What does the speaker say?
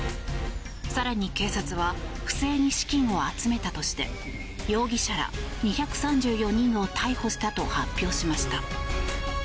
更に警察は不正に資金を集めたとして容疑者ら２３４人を逮捕したと発表しました。